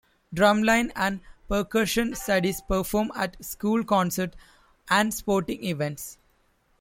Drum Line and Percussion Studies perform at school concerts and sporting events.